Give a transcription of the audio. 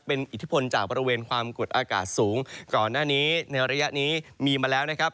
เป็นอิทธิพลจากบริเวณความกดอากาศสูงก่อนหน้านี้ในระยะนี้มีมาแล้วนะครับ